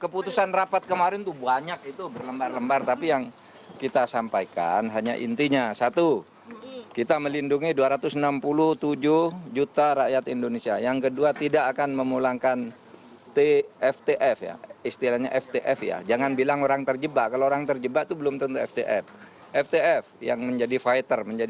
pemerintah indonesia telah memutuskan